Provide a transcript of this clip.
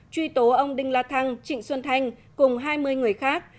truy tố ông đinh la thăng trịnh xuân thanh cùng hai mươi người khác